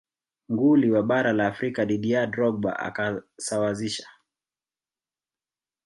nguli wa bara la afrika didier drogba akasawazisha